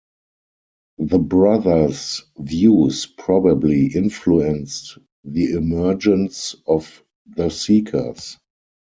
The brothers' views probably influenced the emergence of the Seekers.